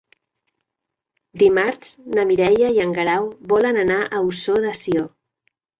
Dimarts na Mireia i en Guerau volen anar a Ossó de Sió.